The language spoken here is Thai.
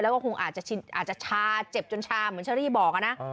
แล้วก็คงอาจจะชาเจ็บจนชาเหมือนเชอรี่บอกนะ